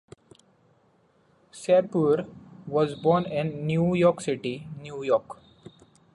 Sabur was born in New York City, New York.